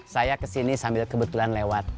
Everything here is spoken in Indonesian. saya kesini sambil kebetulan lewat